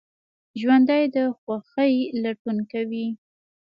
ژوندي د خوښۍ لټون کوي